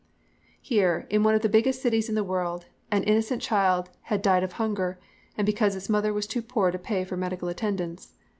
"Here, in one of the biggest cities in the world, an innocent child had died of hunger, and because its mother was too poor to pay for medical attendance.